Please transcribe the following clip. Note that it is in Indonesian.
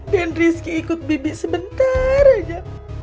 dendriski ikut bibi sebentar aja